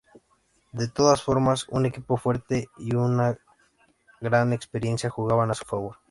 De todas formas, un equipo fuerte y una gran experiencia jugaban a su favor.